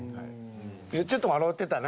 ちょっと笑うてたな。